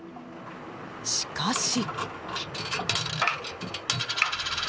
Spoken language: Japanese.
しかし。